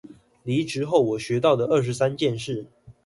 離職後我學到的二十三件事